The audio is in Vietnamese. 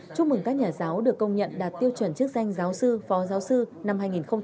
chúc mừng các nhà giáo được công nhận đạt tiêu chuẩn chức danh giáo sư phó giáo sư năm hai nghìn hai mươi một hai nghìn hai mươi hai